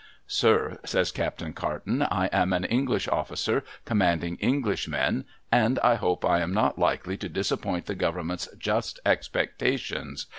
' Sir,' says Captain Carton, ' I am an English officer, commanding Enghsh Men, and I hope I am not likely to disappoint the Govern ment's just expectations.